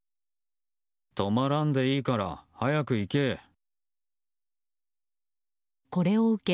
止まらんでいいから早く行け。